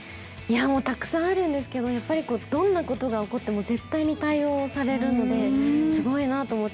たくさんあるんですけど、どんなことが起こっても絶対に対応されるので、すごいなあと思って。